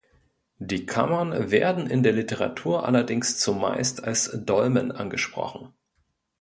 Die Kammern werden in der Literatur allerdings zumeist als Dolmen angesprochen.